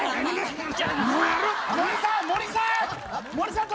森さん！